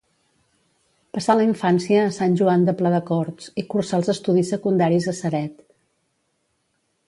Passà la infància a Sant Joan de Pladecorts i cursà els estudis secundaris a Ceret.